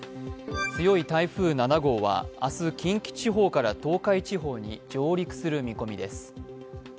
強い台風７号は、明日、近畿地方から東海地方に上陸する見込みです。